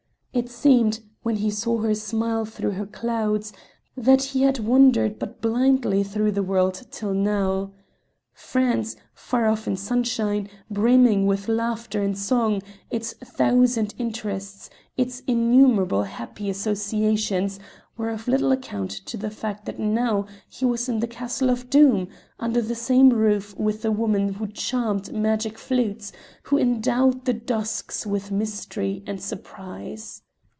It seemed, when he saw her smile through her clouds, that he had wandered blindly through the world till now. France, far off in sunshine, brimming with laughter and song, its thousand interests, its innumerable happy associations, were of little account to the fact that now he was in the castle of Doom, under the same roof with a woman who charmed magic flutes, who endowed the dusks with mystery and surprise.